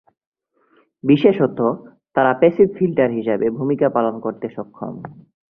বিশেষত, তারা passive filter হিসাবে ভুমিকা পালন করতে সক্ষম।